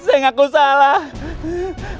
saya ngaku salah